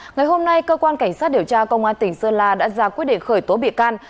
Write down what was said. ngày hôm nay cơ quan cảnh sát điều tra công an tỉnh sơn la đã ra quyết định khởi tố bị can